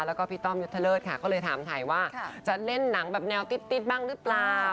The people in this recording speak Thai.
แล้วก็พี่ต้อมยุทธเลิศค่ะก็เลยถามถ่ายว่าจะเล่นหนังแบบแนวติ๊ดบ้างหรือเปล่า